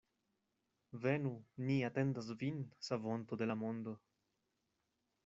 Venu, ni atendas vin, Savonto de la mondo.